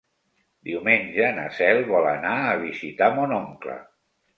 Diumenge na Cel vol anar a visitar mon oncle.